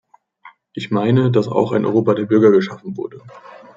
Ich meine, dass auch ein Europa der Bürger geschaffen wurde.